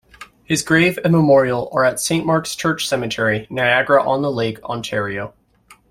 His grave and memorial are at Saint Mark's Church Cemetery, Niagara-on-the-Lake, Ontario.